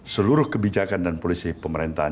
seluruh kebijakan dan polisi pemerintahan